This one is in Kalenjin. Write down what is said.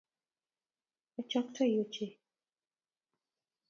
Achoktoi ochei